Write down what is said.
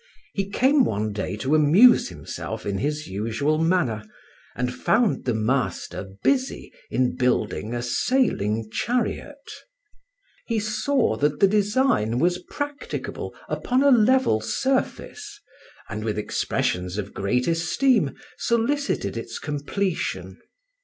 He came one day to amuse himself in his usual manner, and found the master busy in building a sailing chariot. He saw that the design was practicable upon a level surface, and with expressions of great esteem solicited its completion.